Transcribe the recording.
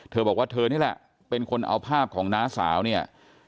เธอบอกว่าเธอนี่แหละเป็นคนเอาภาพของน้าสาวเนี่ย